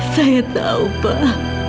saya tahu pak